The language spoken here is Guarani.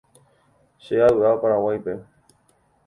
Che avy'a Paraguáipe.